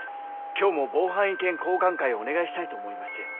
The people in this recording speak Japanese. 今日も防犯意見交換会をお願いしたいと思いまして。